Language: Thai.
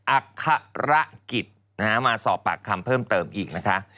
อัครกิจนะฮะมาสอบปากคำเพิ่มเติมอีกนะคะ